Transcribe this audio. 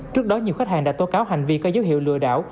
trước đó nhiều khách hàng đã tố cáo hành vi có dấu hiệu lừa đảo